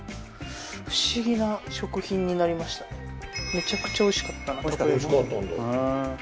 めちゃくちゃおいしかったなたこ焼き。